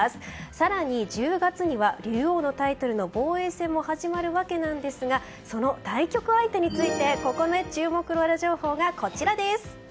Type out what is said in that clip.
更に１０月には竜王のタイトルの防衛戦も始まるわけですがその対局相手について注目のウラ情報がこちらです。